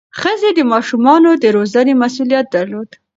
ښځې د ماشومانو د روزنې مسؤلیت درلود.